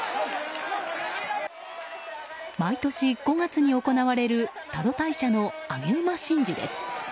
毎年５月に行われる多度大社の上げ馬神事です。